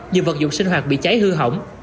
nhiều vật dụng sinh hoạt bị cháy hư hỏng